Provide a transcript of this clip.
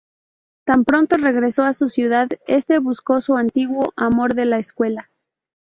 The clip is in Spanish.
Tan pronto regreso a su ciudad, este busco su antiguo amor de la escuela.